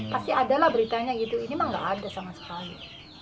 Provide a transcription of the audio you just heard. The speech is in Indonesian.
pasti adalah beritanya gitu ini mah nggak ada sama sekali